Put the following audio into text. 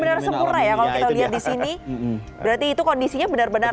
masih tajuk itu benar benar sempurna ya kalau kita lihat disini berarti itu kondisinya benar benar